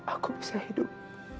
aku bisa hidup